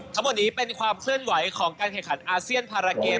ทั้งหมดนี้เป็นความเคลื่อนไหวของการแข่งขันอาเซียนพาราเกม